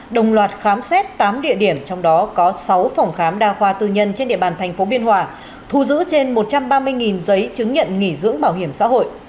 đồng loạt khám xét tám địa điểm trong đó có sáu phòng khám đa khoa tư nhân trên địa bàn thành phố biên hòa thu giữ trên một trăm ba mươi giấy chứng nhận nghỉ dưỡng bảo hiểm xã hội